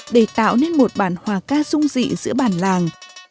để tạo nên một bản hòa ca dung dị giữa bản làng